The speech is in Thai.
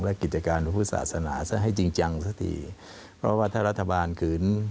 และกิจการพระพุทธศาสนาซะให้จริงจังสักทีเพราะว่าถ้ารัฐบาลขืน